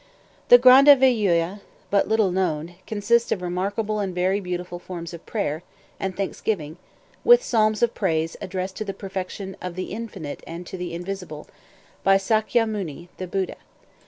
The "Ganda Veyuha," but little known, consists of remarkable and very beautiful forms of prayer and thanksgiving, with psalms of praise addressed to the Perfection of the Infinite and to the Invisible, by Sakya Muni, the Buddha.